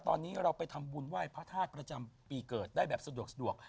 ตอนนี้เราไปทำบุญไหว้พระธาตุประจำปีเกิดได้แบบสะดวก